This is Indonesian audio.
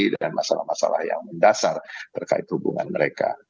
dan masalah masalah yang mendasar terkait hubungan mereka